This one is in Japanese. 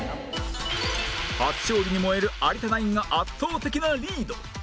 初勝利に燃える有田ナインが圧倒的なリード